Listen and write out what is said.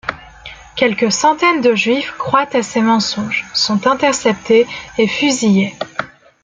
Quelques centaines de Juifs croient à ces mensonges, sont interceptés et fusillés.